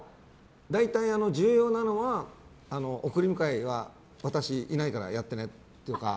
大体、重要なのは送り迎えは私いないからやってねとか。